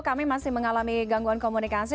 kami masih mengalami gangguan komunikasi